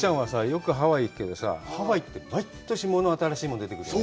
よくハワイ行くけどさハワイって毎年新しいもの出てくるよね